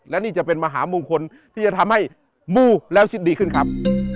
และนี่จะเป็นมหามงคลที่จะทำให้มูแล้วชิดดีขึ้นครับ